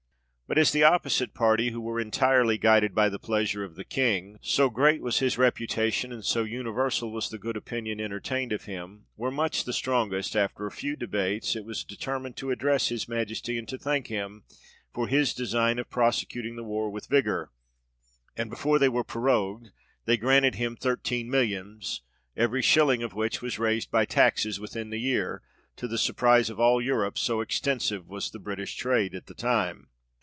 But as the opposite party, who were entirely guided by the pleasure of the King (so great was his reputation, and so universal was the good opinion en tertained of him), were much the strongest, after a few debates, it was determined to address his Majesty, and to thank him for his design of prosecuting the war with vigour ; and before they were prorogued, they granted him thirteen millions, every shilling of which was raised by taxes within the year, to the surprise of all Europe, so extensive was the British trade at this time.